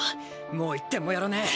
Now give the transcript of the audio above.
もう１点もやらねえ！